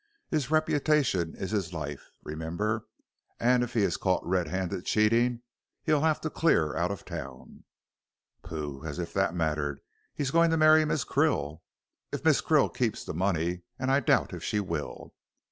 His reputation is his life, remember, and if he is caught red handed cheating, he'll have to clear out of town." "Pooh, as if that mattered. He's going to marry Miss Krill." "If Miss Krill keeps the money, and I doubt if she will."